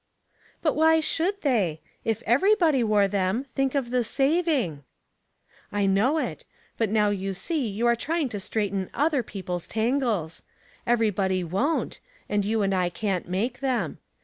"But why sJiould they? If everybody wore them, think of the saving !" "I know it; but now you see you are try ing to straighten other people's tangles. Every body wont^ and you and I can't make them.